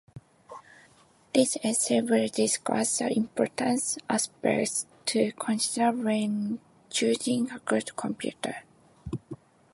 This essay will discuss the important aspects to consider when choosing a good computer.